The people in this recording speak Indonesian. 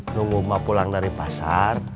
nunggu mah pulang dari pasar